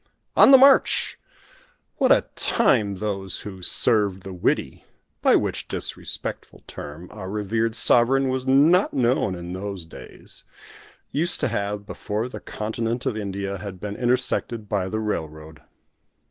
On the march! What a time those who "served the Widdy" by which disrespectful term, our revered Sovereign was not known in those days used to have before the continent of India had been intersected by the railroad!